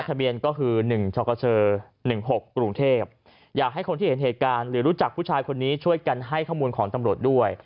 ทะเบียนก็คือ๑ชกช๑๖กรุงเทพอยากให้คนที่เห็นเหตุการณ์หรือรู้จักผู้ชายคนนี้ช่วยกันให้ข้อมูลของตำรวจด้วย